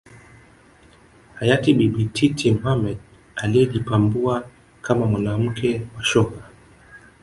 Hayati Bibi Titi Mohamed aliyejipambua kama mwanamke wa shoka